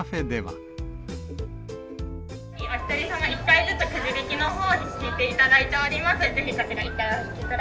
お１人様１回ずつくじ引きのほうを引いていただいております。